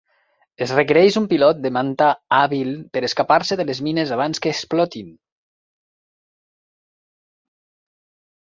Es requereix un pilot de Manta hàbil per escapar-se de les mines abans que explotin.